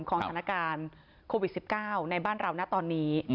สถานการณ์โควิด๑๙ในบ้านเรานะตอนนี้